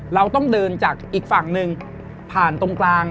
เราต้องเดินจากอีกฝั่งหนึ่งผ่านตรงกลาง